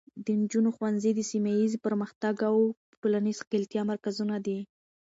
د نجونو ښوونځي د سیمه ایزې پرمختګ او ټولنیزې ښکیلتیا مرکزونه دي.